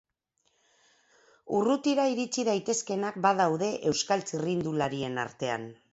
Urrutira iritsi daitezkeenak badaude Euskal txirrindularien artean.